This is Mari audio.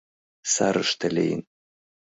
Сарыште лийын.